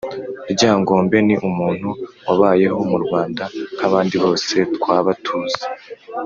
Ryangombe ni umuntu wabayeho mu Rwanda nk’abandi bose twaba tuzi.